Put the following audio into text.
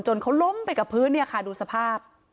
เขาล้มไปกับพื้นเนี่ยค่ะดูสภาพ